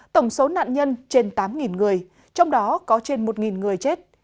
tổng số nạn nhân trên tám người trong đó có trên một người chết